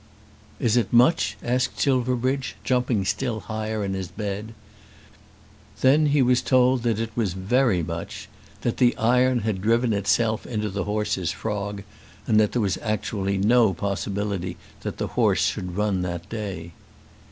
"Is it much?" asked Silverbridge, jumping still higher in his bed. Then he was told that it was very much, that the iron had driven itself into the horse's frog, and that there was actually no possibility that the horse should run on that day.